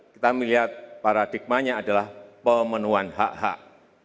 kita melihat paradigma nya adalah pemenuhan hak hak